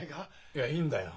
いやいいんだよ